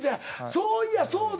そういやそうだ。